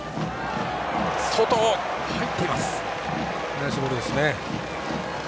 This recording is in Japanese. ナイスボールです。